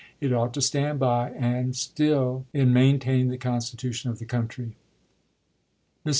It ought to stand by and aid still in maintaining the Constitution of the country." Mr.